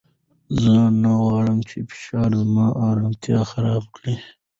زه نه غواړم چې فشار زما ارامتیا خراب کړي.